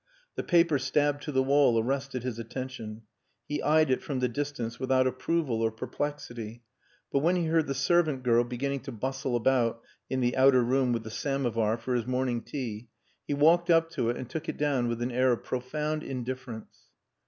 The paper stabbed to the wall arrested his attention. He eyed it from the distance without approval or perplexity; but when he heard the servant girl beginning to bustle about in the outer room with the samovar for his morning tea, he walked up to it and took it down with an air of profound indifference.